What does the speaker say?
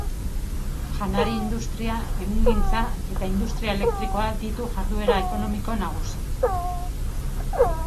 Janari-industria, ehungintza eta industria elektrikoa ditu jarduera ekonomiko nagusi.